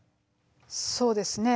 そうですね。